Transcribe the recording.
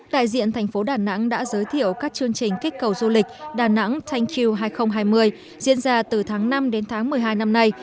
đại diện tp đà nẵng đã giới thiệu các chương trình kích cầu du lịch đà nẵng thank you hai nghìn hai mươi diễn ra từ tháng năm đến tháng một mươi hai năm nay